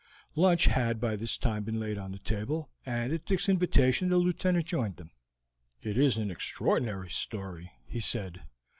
Lunch had by this time been laid on the table, and at Dick's invitation the Lieutenant joined them. "It is an extraordinary story!" he said.